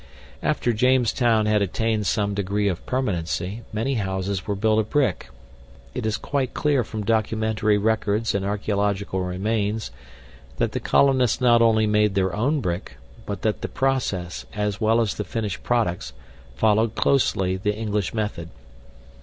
After Jamestown had attained some degree of permanency, many houses were built of brick. It is quite clear from documentary records and archeological remains, that the colonists not only made their own brick, but that the process, as well as the finished products, followed closely the English method.